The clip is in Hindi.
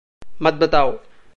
मत बताओ।